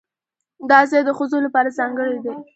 دا ځای د ښځو لپاره ځانګړی دی.